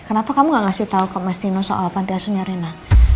kenapa kamu gak ngasih tau ke mas dino soal panti aslinya arena